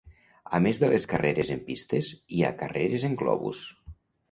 A més de les carreres en pistes, hi ha carreres en globus.